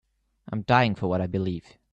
I'm dying for what I believe.